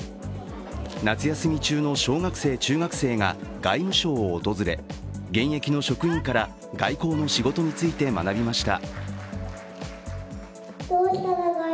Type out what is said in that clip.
夏休み中の小学生、中学生が外務省を訪れ現役の職員から外交の仕事について学びました。